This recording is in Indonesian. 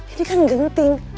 ini kan genting